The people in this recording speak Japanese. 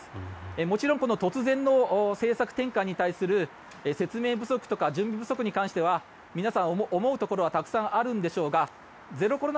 もちろん突然の政策転換に対する説明不足とか準備不足に関しては皆さん、思うところはたくさんあるんでしょうがゼロコロナ